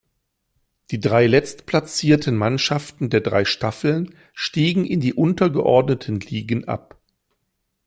Die drei letztplatzierten Mannschaften der drei Staffeln stiegen in die untergeordneten Ligen ab.